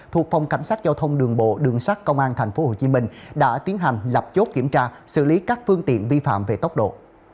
thuộc phòng cảnh sát giao thông đường bộ đường sát công an tp hcm đã tiến hành lập chốt kiểm tra xử lý các phương tiện vi phạm về tốc độ